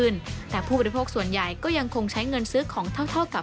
ช่วงใหญ่ก็ยังคงใช้เงินซื้อของเท่า